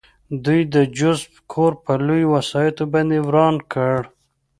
دوی د جوزف کور په لویو وسایطو باندې وران کړ